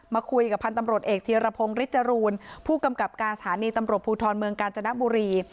มาคุยกับพันธ์ตำรวจเอกธีรพงศ์ฤทจรูนผู้กำกับการสถานีตำรวจภูทรเมืองกาญจนบุรี